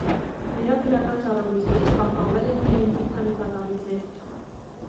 Նրա գրական ժառանգությունից պահպանվել են միայն մի քանի պատառիկներ։